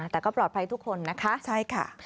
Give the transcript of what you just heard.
แต่ก็ปลอดภัยทุกคนนะคะใช่ค่ะ